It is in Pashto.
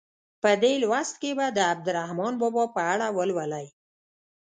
په دې لوست کې به د عبدالرحمان بابا په اړه ولولئ.